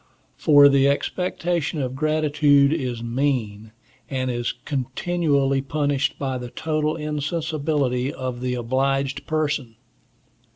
For, the expectation of gratitude is mean, and is continually punished by the total insensibility of the obliged person.